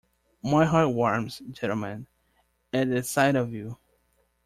My heart warms, gentlemen, at the sight of you.